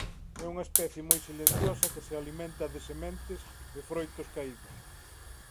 É unha especie moi silenciosa que se alimenta de sementes e froitos caídos.